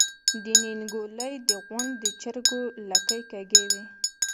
د نينګوَلۍ د غونډ د چرګو لکۍ کږې وي۔